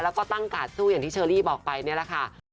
แล้วก็ตั้งกาดสู้อย่างที่เชอรี่บอกไปนี่แหละค่ะ